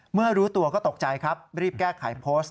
เมื่อรู้ตัวก็ตกใจครับรีบแก้ไขโพสต์